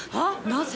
なぜ？